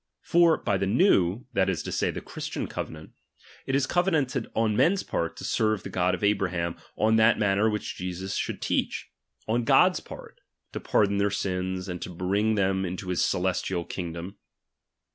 """ For by the new, that is to say, the Christian cove pro^ni^ nnnt, it is covenanted on men's part, to serve the ^"^1 God of Abraham on that manner which Jesus should teach : on God's part, to pardon their si?is, and bring them into his celestial kingdom.